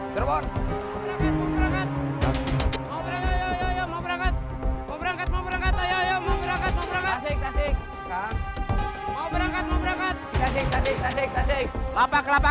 kelapa kelapa kelapa